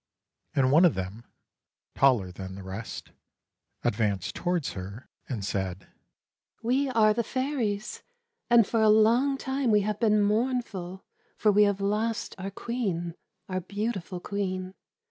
And one of them, taller than the rest, advanced towards her and said: "We are the Fairies, and for a long time we have been mournful, for we have lost our Queen, our beautiful Queen.